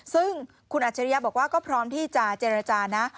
ซึ่งคุณอัจฉริยะบอกว่าก็พร้อมที่จะเจรจานะ